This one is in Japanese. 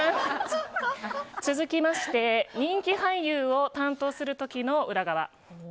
続きまして、人気俳優を担当する時の裏側。